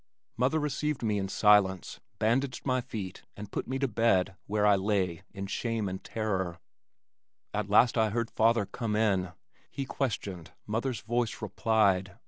Mother received me in silence, bandaged my feet and put me to bed where I lay in shame and terror. At last I heard father come in. He questioned, mother's voice replied.